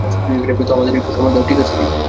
তো আমাদের একটু সময় দাও, ঠিক আছে, রেই?